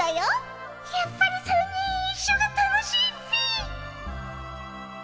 やっぱり３人一緒が楽しいっピィ。